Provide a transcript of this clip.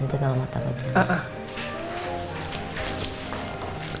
nanti kalau mau tahan